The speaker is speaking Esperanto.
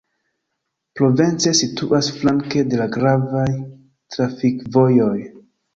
Provence situas flanke de la gravaj trafikvojoj.